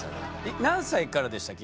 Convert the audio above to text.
何歳からでしたっけ？